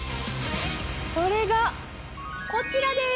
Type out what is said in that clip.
それがこちらです！